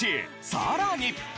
さらに。